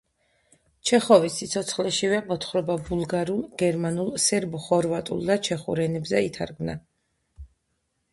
ჩეხოვის სიცოცხლეშივე მოთხრობა ბულგარულ, გერმანულ, სერბო-ხორვატულ და ჩეხურ ენებზე ითარგმნა.